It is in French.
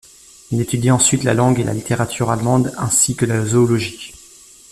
Il étudie ensuite la langue et la littérature allemandes ainsi que la zoologie.